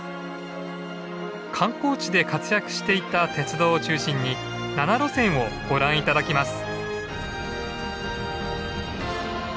観光地で活躍していた鉄道を中心に７路線をご覧頂きます。